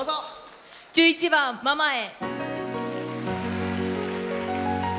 １１番「ママへ」。